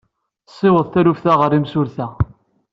Siweḍ taluft-a ɣer imsulta.